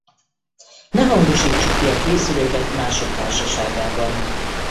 Ne hangosítsuk ki a készüléket mások társaságában.